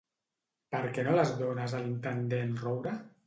Per què no les dones a l'intendent Roure?